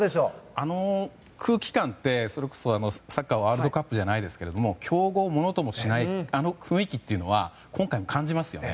あの空気感って、それこそサッカーワールドカップじゃないですけど強豪をものともしないあの雰囲気は今回も感じますね。